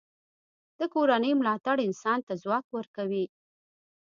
د کورنۍ ملاتړ انسان ته ځواک ورکوي.